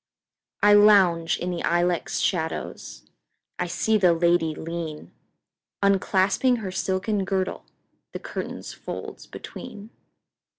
I lounge in the ilex shadows,I see the lady lean, Unclasping her silken girdle, The curtain's folds between.